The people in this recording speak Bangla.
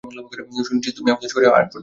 শুনেছি তুমি আমাদের শহরে, আর্ট পড়তে এসেছ।